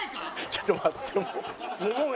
ちょっと待ってもう。